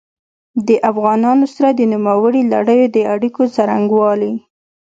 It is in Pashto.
د افغانانو سره د نوموړي لړیو د اړیکو څرنګوالي.